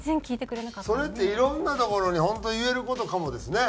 それっていろんなところに本当言える事かもですね。